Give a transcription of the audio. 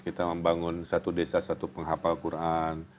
kita membangun satu desa satu penghapal quran